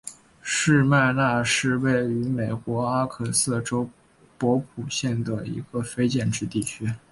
士麦拿是位于美国阿肯色州波普县的一个非建制地区。